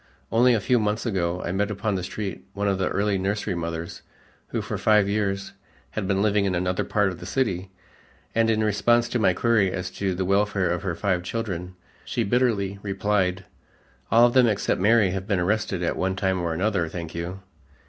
Only a few months ago I met upon the street one of the early nursery mothers who for five years had been living in another part of the city, and in response to my query as to the welfare of her five children, she bitterly replied, "All of them except Mary have been arrested at one time or another, thank you."